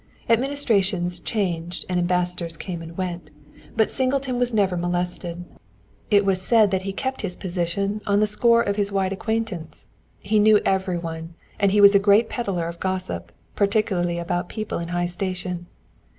Administrations changed and ambassadors came and went, but Singleton was never molested. It was said that he kept his position on the score of his wide acquaintance; he knew every one, and he was a great peddler of gossip, particularly about people in high station.